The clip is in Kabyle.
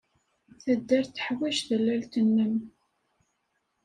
Taddart teḥwaj tallalt-nnem.